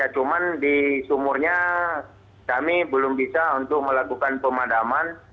cuman di sumurnya kami belum bisa untuk melakukan pemadaman